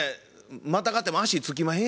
またがっても足つきまへんやろそれ。